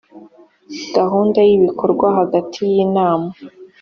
gahunda y ibikorwa hagati y inama